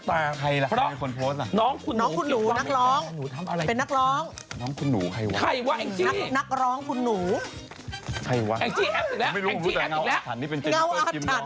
พี่เมี่ยลอีกแล้วบ้างครับพี่เมี่ยลเคลียดมานะ